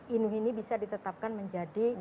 inu ini bisa ditetapkan menjadi